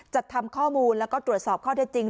จัดทำข้อมูลแล้วก็ตรวจสอบข้อเท็จจริง